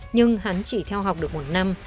nhưng hắn chỉ theo học được một năm